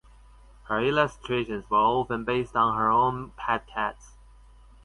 Her illustrations were often based on her own pet cats.